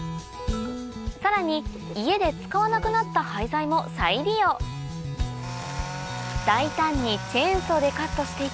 さらに家で使わなくなった大胆にチェーンソーでカットしていき